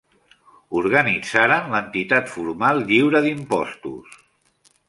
Organitzaren l'entitat formal lliure d'impostos.